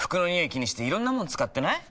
気にしていろんなもの使ってない？